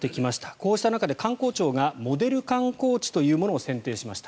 こうした中で観光庁がモデル観光地というものを選定しました。